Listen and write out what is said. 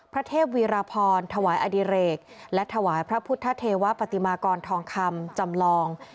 เทพวีรพรถวายอดิเรกและถวายพระพุทธเทวปฏิมากรทองคำจำลอง